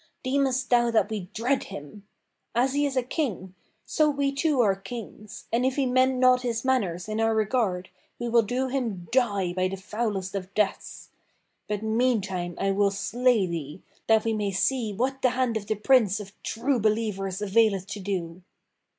Deemest thou that we dread him? As he is a King, so we too are Kings, and if he mend not his manners in our regard we will do him die by the foulest of deaths. But meantime I will slay thee, that we may see what the hand of the Prince of True Believers availeth to do.'